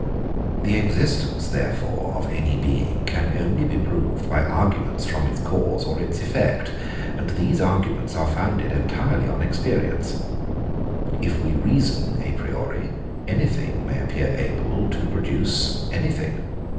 The existence, therefore, of any being can only be proved by arguments from its cause or its effect; and these arguments are founded entirely on experience. If we reason a priori, anything may appear able to produce anything.